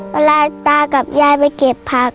เวลาตากับยายไปเก็บผัก